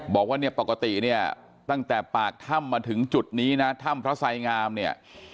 บอกว่าเนี่ยปกติเนี่ยตั้งแต่ปากถ้ำมาถึงจุดนี้นะถ้ำพระไสงามเนี่ย